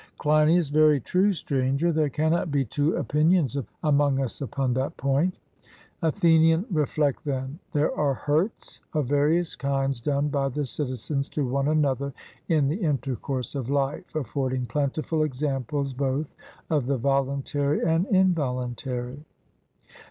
CLEINIAS: Very true, Stranger; there cannot be two opinions among us upon that point. ATHENIAN: Reflect, then; there are hurts of various kinds done by the citizens to one another in the intercourse of life, affording plentiful examples both of the voluntary and involuntary.